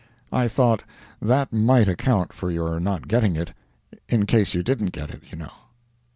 I thought that might account for your not getting it, in case you didn't get it, you know.